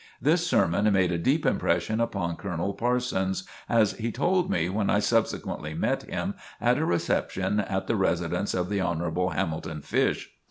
This sermon made a deep impression upon Colonel Parsons, as he told me when I subsequently met him at a reception at the residence of the Hon. Hamilton Fish.